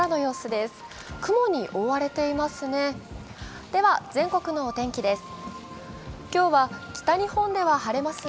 では全国のお天気です。